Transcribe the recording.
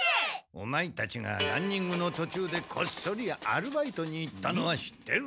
オマエたちがランニングのとちゅうでこっそりアルバイトに行ったのは知ってる。